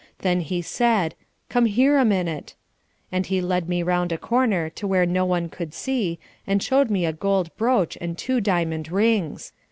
Then he said, "Come here a minute," and he led me round a corner to where no one could see, and showed me a gold brooch and two diamond rings.